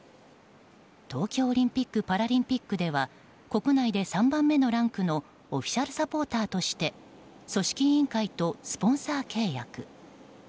東京オリンピック・パラリンピックでは国内で３番目のランクのオフィシャルサポーターとして組織委員会とスポンサー契約。